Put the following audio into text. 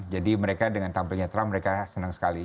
jadi mereka dengan tampilnya trump mereka senang sekali